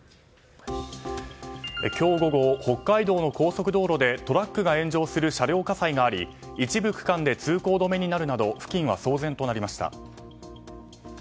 今日午後、北海道の高速道路でトラックが炎上する車両火災があり一部区間で通行止めになるなど付近は騒然となりました。